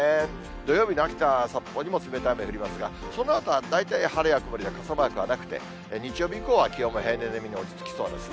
土曜日の秋田、札幌にも、冷たい雨降りますが、そのあとは大体晴れや曇りで、傘マークはなくて、日曜日以降は気温が平年並みに落ち着きそうですね。